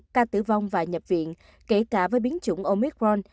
ca tử vong và nhập viện kể cả với biến chủng omicron